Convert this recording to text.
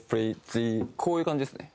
こういう感じですね。